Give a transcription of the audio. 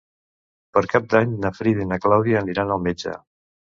Per Cap d'Any na Frida i na Clàudia aniran al metge.